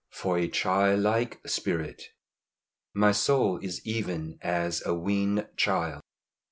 FOR A CHILD LIKE SPIRIT. "My soul is even as a weaned child."